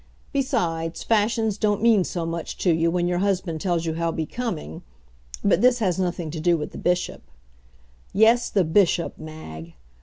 Besides, fashions don't mean so much to you when your husband tells you how becoming but this has nothing to do with the Bishop. Yes, the Bishop, Mag!